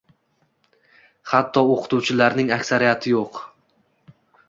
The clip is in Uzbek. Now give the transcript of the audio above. Hatto o‘qituvchilarning aksariyati yo‘q.